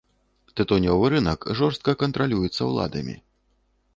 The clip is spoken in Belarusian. Тытунёвы рынак жорстка кантралюецца ўладамі.